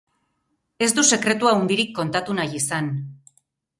Ez du sekretu handirik kontatu nahi izan.